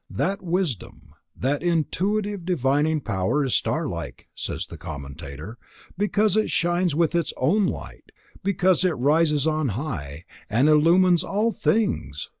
That wisdom, that intuitive, divining power is starlike, says the commentator, because it shines with its own light, because it rises on high, and illumines all things.